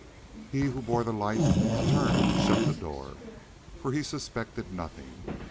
He who bore the light turned to shut the door, for he suspected nothing.